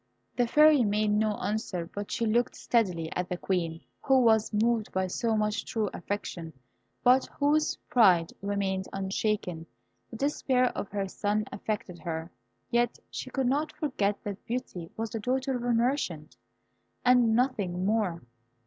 The Fairy made no answer; she but looked steadily at the Queen, who was moved by so much true affection, but whose pride remained unshaken. The despair of her son affected her, yet she could not forget that Beauty was the daughter of a merchant, and nothing more.